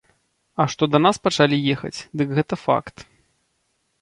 А што да нас пачалі ехаць, дык гэта факт.